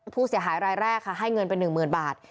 ผู้เสียหายรายแรกค่ะให้เงินไป๑๐๐๐บาท